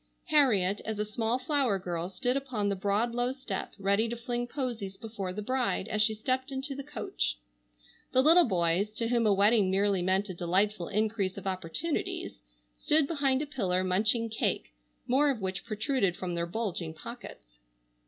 Harriet, as a small flower girl, stood upon the broad low step ready to fling posies before the bride as she stepped into the coach. The little boys, to whom a wedding merely meant a delightful increase of opportunities, stood behind a pillar munching cake, more of which protruded from their bulging pockets.